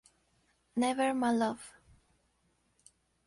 Never my love.